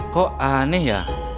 kok aneh ya